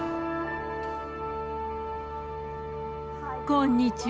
こんにちは